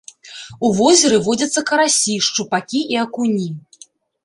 У возеры водзяцца карасі, шчупакі і акуні.